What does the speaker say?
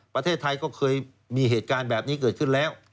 ประเทศไทยก็เคยมีเหตุการณ์แบบนี้เกิดขึ้นแล้ว